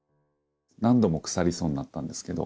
何度もくさりそうになったんですけど。